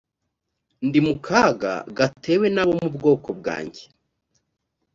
ndi mu kaga gatewe n’abo mu bwoko bwanjye